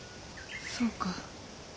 そうか。